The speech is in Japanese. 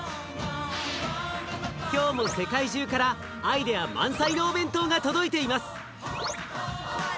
今日も世界中からアイデア満載のお弁当が届いています。